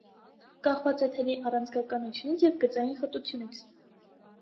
Կախված է թելի առաձգականությունից և գծային խտությունից։